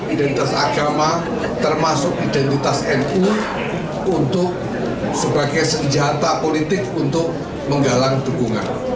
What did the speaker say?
identitas agama termasuk identitas nu untuk sebagai senjata politik untuk menggalang dukungan